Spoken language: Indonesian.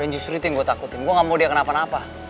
justru itu yang gue takutin gue gak mau dia kenapa napa